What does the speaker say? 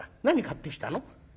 何買ってきたの？」。